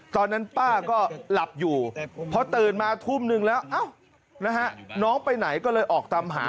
ตอนนั้นป้าก็หลับอยู่พอตื่นมาทุ่มนึงแล้วน้องไปไหนก็เลยออกตามหา